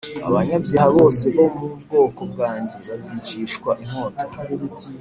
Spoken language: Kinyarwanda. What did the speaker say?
Abanyabyaha bose bo mu bwoko bwanjye bazicishwa inkota